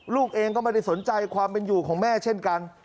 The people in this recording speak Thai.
ลูกเองก็ไม่ได้สนใจความเป็นอยู่ของแม่เช่นกัน